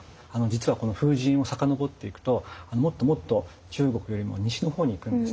実はこの風神を遡っていくともっともっと中国よりも西の方にいくんですね。